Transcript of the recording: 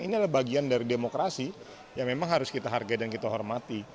ini adalah bagian dari demokrasi yang memang harus kita hargai dan kita hormati